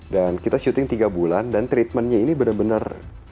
dan kita syuting tiga bulan dan treatmentnya ini benar benar